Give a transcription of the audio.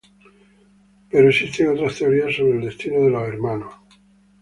Pero existen otras teorías sobre el destino de los hermanos.